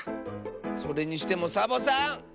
それにしてもサボさん！